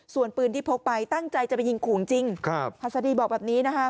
ส่วนปืนที่พกไปตั้งใจจะไปยิงขู่จริงครับหัสดีบอกแบบนี้นะคะ